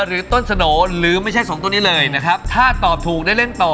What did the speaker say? หรือต้นสโหน่หรือไม่ใช่สองตัวนี้เลยนะครับถ้าตอบถูกได้เล่นต่อ